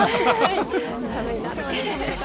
寒いな。